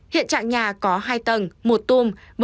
hiện trạng nhà có hai tầng một tôm